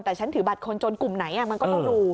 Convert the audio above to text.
แต่ฉันถือบัตรคนจนกลุ่มไหนมันก็ต้องดู